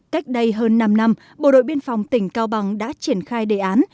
cách đây hơn năm năm bộ đội biên phòng tỉnh cao bằng đã triển khai đề án